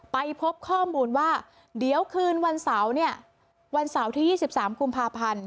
ไปพบข้อมูลว่าเดี๋ยวคืนวันเสาร์เนี่ยวันเสาร์ที่๒๓กุมภาพันธ์